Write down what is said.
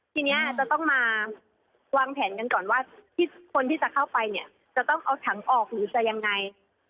ทีนี้จะต้องมาวางแผนกันก่อนว่าที่คนที่จะเข้าไปเนี่ยจะต้องเอาถังออกหรือจะยังไง